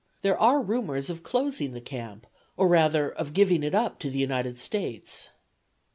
There are rumors of closing the camp or rather of giving it up to the United States."